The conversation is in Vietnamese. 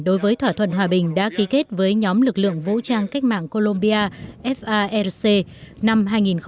đối với thỏa thuận hòa bình đã ký kết với nhóm lực lượng vũ trang cách mạng colombia farc năm hai nghìn một mươi năm